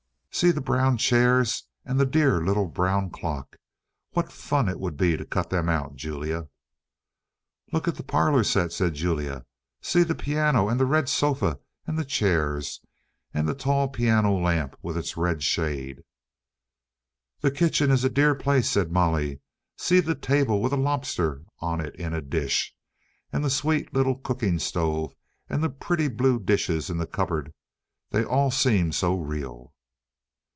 "See the brown chairs and the dear little brown clock. What fun it would be to cut them out, Julia!" "Look at the parlour set," said Julia. "See the piano, and the red sofa and chairs, and the tall piano lamp with its red shade." "The kitchen is a dear place," said Molly. "See the table with a lobster on it in a dish, and the sweet little cooking stove, and the pretty blue dishes in the cupboard; they all seem so real."